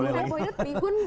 terus terus terus